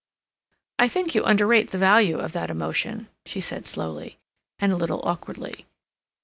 "I think you underrate the value of that emotion," she said slowly, and a little awkwardly.